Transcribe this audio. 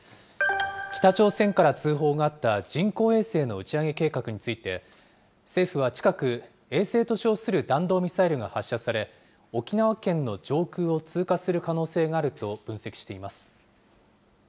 北朝鮮から通報があった人工衛星の打ち上げ計画について、政府は近く、衛星と称する弾道ミサイルが発射され、沖縄県の上空を通過する可能性があると分析しています。